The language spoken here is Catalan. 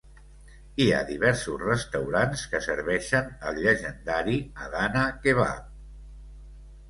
Hi ha diversos restaurants que serveixen el llegendari Adana kebap.